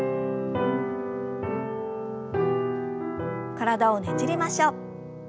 体をねじりましょう。